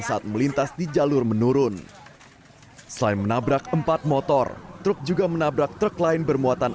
saat melintas di jalur menurun selain menabrak empat motor truk juga menabrak truk lain bermuatan